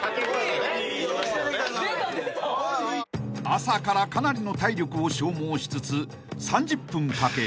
［朝からかなりの体力を消耗しつつ］